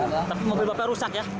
tapi mobil bapak rusak ya